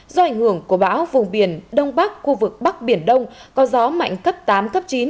do ảnh hưởng của bão vùng biển đông bắc khu vực bắc biển đông có gió mạnh cấp tám cấp chín